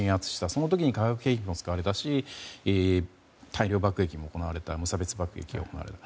その時に化学兵器も使われたし大量爆撃無差別爆撃が行われた。